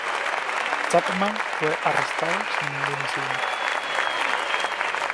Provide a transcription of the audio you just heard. Chapman fue arrestado sin ningún incidente.